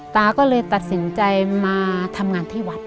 ตาก็เลยตัดสินใจมาทำงานที่วัด